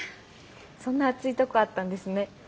そんな熱いとこあったんですね。